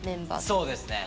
そうですね。